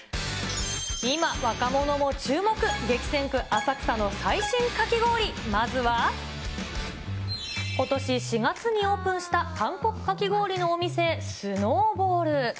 今、若者も注目、激戦区、浅草の最新かき氷、まずは。ことし４月にオープンした韓国かき氷のお店、ＳｎｏｗＢｏｗｌ。